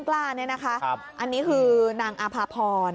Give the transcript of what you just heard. น้องต้นกล้าอันนี้คือนางอาภาพร